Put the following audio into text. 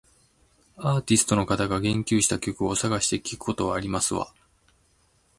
アーティストの方が言及した曲を探して聞くことはありますわ